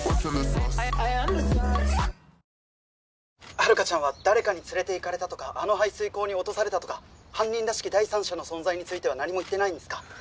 「遥香ちゃんは誰かに連れていかれたとかあの排水溝に落とされたとか犯人らしき第三者の存在については何も言ってないんですか？」